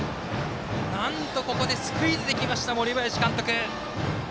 なんと、ここでスクイズできました、森林監督。